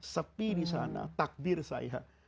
sepi disana takbir saya